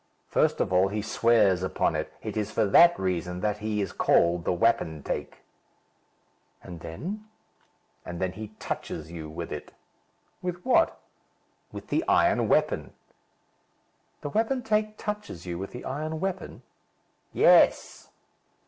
"First of all, he swears upon it. It is for that reason that he is called the wapentake." "And then?" "Then he touches you with it." "With what?" "With the iron weapon." "The wapentake touches you with the iron weapon?" "Yes."